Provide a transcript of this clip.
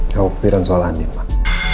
ya waktu itu soal andin pak